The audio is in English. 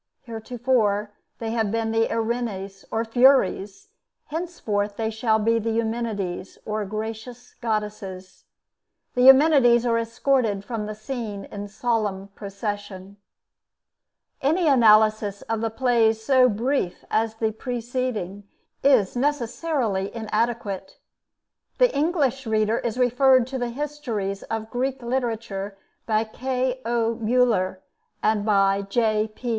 Heretofore they have been the Erinnyes, or Furies; henceforth they shall be the Eumenides, or Gracious Goddesses. The Eumenides are escorted from the scene in solemn procession. Any analysis of the plays so brief as the preceding is necessarily inadequate. The English reader is referred to the histories of Greek Literature by K.O. Müller and by J.P.